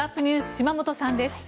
島本さんです。